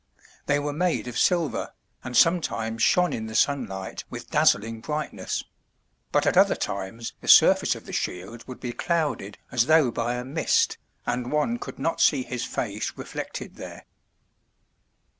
They were made of silver, and some times shone in the sunlight with dazzling brightness; but at other times the surface of the shields would be clouded as though by a mist, and one could not see his face reflected there.